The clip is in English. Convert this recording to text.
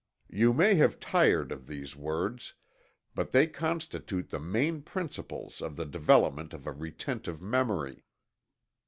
You may have tired of these words but they constitute the main principles of the development of a retentive memory.